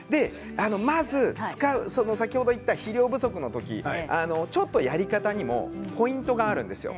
先ほど言った肥料不足の時ちょっとやり方にもポイントがあるんですよね。